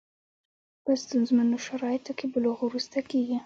په ستونزمنو شرایطو کې بلوغ وروسته کېږي.